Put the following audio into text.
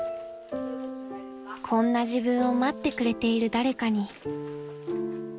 ［こんな自分を待ってくれている誰かに］